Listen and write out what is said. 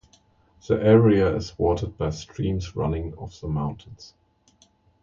The area is watered by streams running off the mountains.